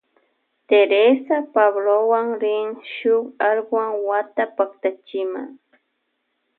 Teresa Pablowan rin shuk alwak wata paktachima.